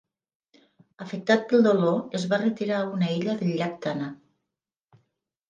Afectat pel dolor, es va retirar a una illa del llac Tana.